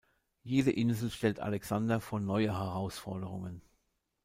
Jede Insel stellt Alexander vor neue Herausforderungen.